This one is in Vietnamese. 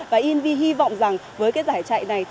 và invi hy vọng với giải chạy này